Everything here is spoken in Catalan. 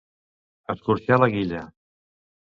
Escorxar la guilla.